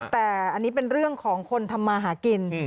แต่อันนี้เป็นเรื่องของคนทำมาหากิน